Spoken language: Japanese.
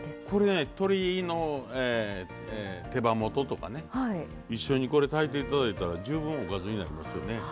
これね鶏の手羽元とかね一緒にこれ炊いて頂いたら十分おかずになりますよね。